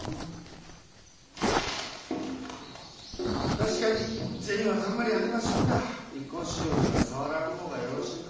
確かに銭はたんまりありましょうが一向宗には触らぬ方がよろしいかと。